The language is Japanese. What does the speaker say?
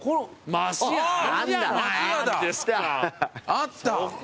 あった。